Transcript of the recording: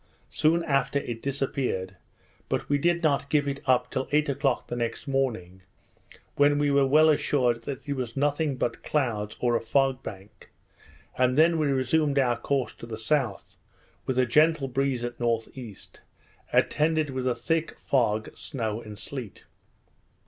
Soon after it disappeared, but we did not give it up till eight o'clock the next morning, when we were well assured that it was nothing but clouds, or a fog bank; and then we resumed our course to the south, with a gentle breeze at N.E., attended with a thick fog, snow, and sleet.